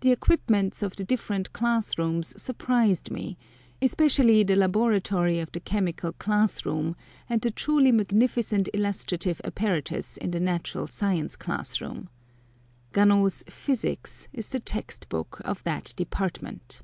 The equipments of the different class rooms surprised me, especially the laboratory of the chemical class room, and the truly magnificent illustrative apparatus in the natural science class room. Ganot's "Physics" is the text book of that department.